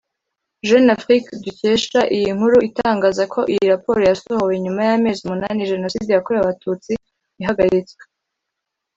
Jeune Afrique dukesha iyi nkuru itangaza ko iyo raporo yasohowe nyuma y’amezi umunani Jenoside yakorewe Abatutsi ihagaritswe